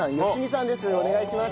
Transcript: お願いします。